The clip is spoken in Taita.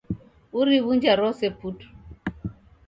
Uriw'unja rose putu